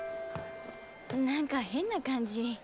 なんか変な感じ。